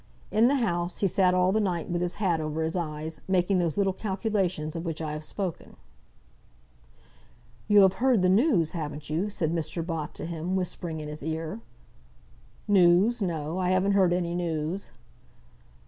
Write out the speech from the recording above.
In the House he sat all the night with his hat over his eyes, making those little calculations of which I have spoken. "You have heard the news; haven't you?" said Mr. Bott to him, whispering in his ear. "News; no. I haven't heard any news."